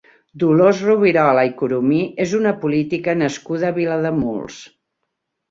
Dolors Rovirola i Coromí és una política nascuda a Vilademuls.